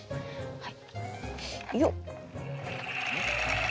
はい。